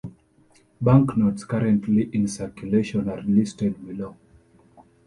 Banknotes currently in circulation are listed below.